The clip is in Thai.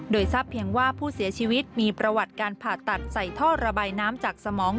โดยทราบเพียงว่าผู้เสียชีวิตมีประวัติการผ่าตัดใส่ท่อระบายน้ำจากสมอง